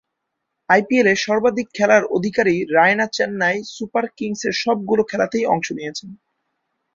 আইপিএলে সর্বাধিক খেলার অধিকারী রায়না চেন্নাই সুপার কিংসের সবগুলো খেলাতেই অংশ নিয়েছেন।